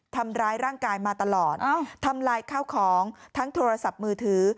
ทำร้ายร่างกายมาตลอดทำลายข้าวของทั้งโทรศัพท์มือถือ